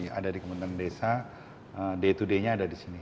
yang ada di kementerian desa day to day nya ada di sini